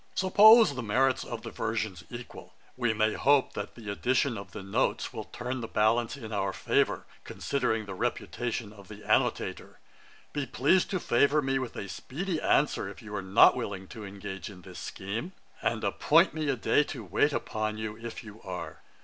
'Suppose the merit of the versions equal, we may hope that the addition of the Notes will turn the balance in our favour, considering the reputation of the Annotator. 'Be pleased to favour me with a speedy answer, if you are not willing to engage in this scheme; and appoint me a day to wait upon you, if you are.